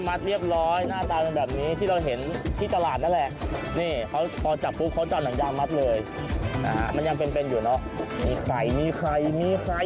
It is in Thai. มันจะหนีบผมไหมพอหนีบ